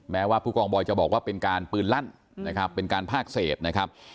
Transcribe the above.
แม้ว่าผู้กองบอยจะบอกว่าเป็นการปืนลั่นนะครับเป็นการพากเศษนะครับ